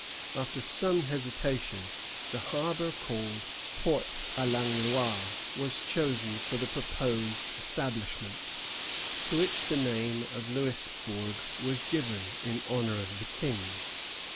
After some hesitation the harbor called Port à l'Anglois was chosen for the proposed establishment, to which the name of Louisbourg was given, in honor of the King.